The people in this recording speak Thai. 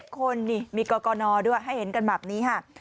๗คนมีกรกรณอด้วยให้เห็นกันแบบนี้ค่ะ